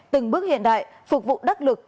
từng bước hiện đại phục vụ đắc lực